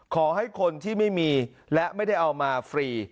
ขอให้คนที่ไม่มีและไม่ได้เอามาฟรี